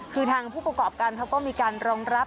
คือทางผู้ประกอบการเขาก็มีการรองรับ